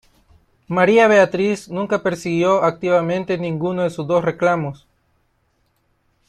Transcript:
María Beatriz nunca persiguió activamente ninguno de sus dos reclamos.